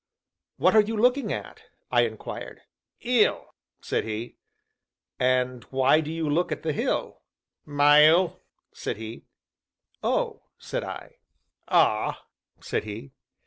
"What are you looking at?" I inquired. "'Ill," said he. "And why do you look at the hill?" "Mail," said he. "Oh!" said I. "Ah!" said he.